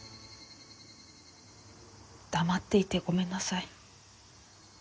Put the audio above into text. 黙っていてごめんなさい。